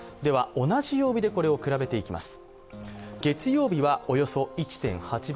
同じ曜日でこれを比べていきます。